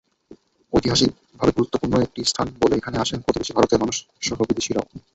ঐতিহাসিকভাবে গুরুত্বপূর্ণ একটি স্থান বলে এখানে আসেন প্রতিবেশী ভারতের মানুষসহ বিদেশিরাও।